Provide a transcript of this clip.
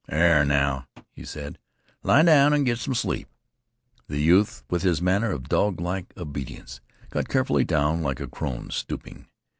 "There now," he said, "lie down an' git some sleep." The youth, with his manner of doglike obedience, got carefully down like a crone stooping.